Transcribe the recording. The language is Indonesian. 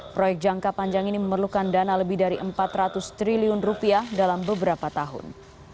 proyek jangka panjang ini memerlukan dana lebih dari empat ratus triliun rupiah dalam beberapa tahun